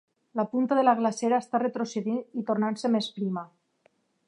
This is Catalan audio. La punta de la glacera està retrocedint i tornant-se més prima.